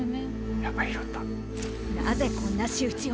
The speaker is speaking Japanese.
やっぱ拾った。